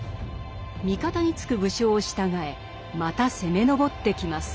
味方につく武将を従えまた攻め上ってきます。